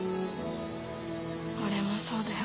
俺もそうだよ。